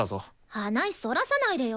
話そらさないでよ。